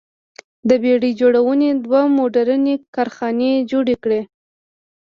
د بېړۍ جوړونې دوه موډرنې کارخانې جوړې کړې.